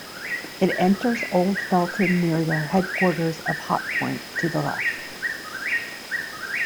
It enters Old Fletton near the headquarters of Hotpoint to the left.